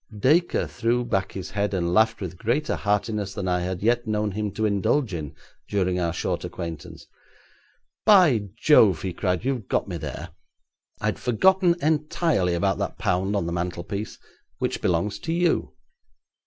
Dacre threw back his head and laughed with greater heartiness than I had yet known him to indulge in during our short acquaintance. 'By Jove,' he cried, 'you've got me there. I'd forgotten entirely about that pound on the mantelpiece, which belongs to you.'